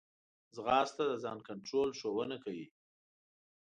ځغاسته د ځان کنټرول ښوونه کوي